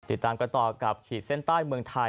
ติดตามกันต่อกับขีดเส้นใต้เมืองไทย